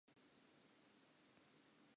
Le lwantshana ke eng bana ba mpa?